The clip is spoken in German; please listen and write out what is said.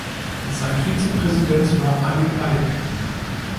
Sein Vizepräsident war Alik Alik.